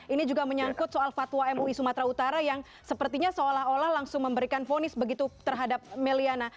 ini juga menyangkut soal fatwa mui sumatera utara yang sepertinya seolah olah langsung memberikan ponis begitu terhadap meliana